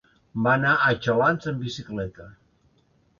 Va anar a Xalans amb bicicleta.